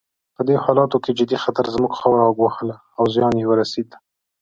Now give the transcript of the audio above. په دې حالاتو کې جدي خطر زموږ خاوره ګواښله او زیان یې رسېد.